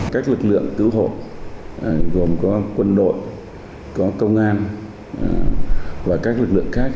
các lực lượng cứu hộ gồm có quân đội có công an và các lực lượng khác